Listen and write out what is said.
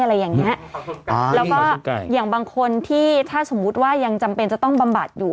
อะไรอย่างเงี้ยอ่าแล้วก็อย่างบางคนที่ถ้าสมมุติว่ายังจำเป็นจะต้องบำบัดอยู่